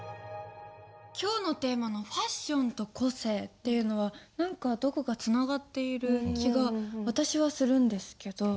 今日のテーマの「ファッションと個性」っていうのは何かどこかつながっている気が私はするんですけど。